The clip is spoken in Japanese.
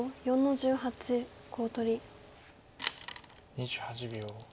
２８秒。